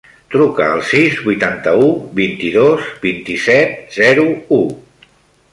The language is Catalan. Truca al sis, vuitanta-u, vint-i-dos, vint-i-set, zero, u.